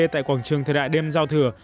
tại quảng trường thời đại đêm giao thừa